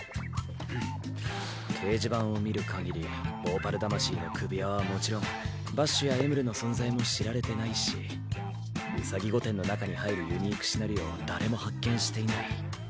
ふむ掲示板を見るかぎり致命魂の首輪はもちろんヴァッシュやエムルの存在も知られてないし兎御殿の中に入るユニークシナリオは誰も発見していない。